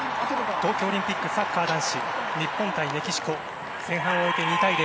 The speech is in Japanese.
東京オリンピックサッカー男子日本対メキシコ前半を終えて２対０。